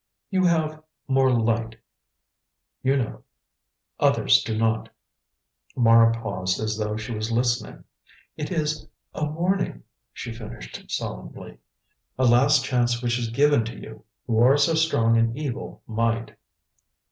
"You have more Light. You know, others do not." Mara paused as though she was listening. "It is a warning," she finished solemnly, "a last chance which is given to you, who are so strong in evil might."